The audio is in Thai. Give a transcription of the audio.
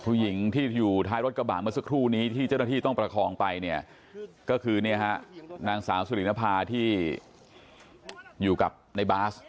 ผู้หญิงที่อยู่ท้ายรถกระบะเมื่อสักครู่นี้ที่เจ้าหน้าที่ต้องประคองไปเนี่ยก็คือเนี่ยฮะนางสาวสุรินภาที่อยู่กับในบาส